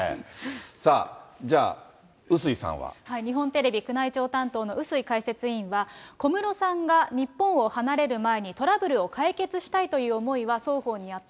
さあ、じゃあ、日本テレビ宮内庁担当の笛吹解説委員は、小室さんが日本を離れる前にトラブルを解決したいという思いは、双方にあった。